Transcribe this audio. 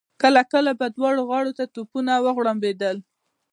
کله کله به دواړو غاړو ته توپونه وغړمبېدل.